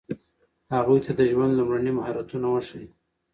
هغوی ته د ژوند لومړني مهارتونه وښایئ.